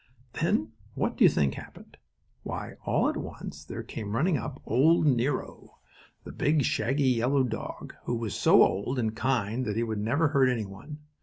Then, what do you think happened? Why, all at once there came running up old Nero, the big, shaggy, yellow dog, who was so old and kind that he would never hurt any one.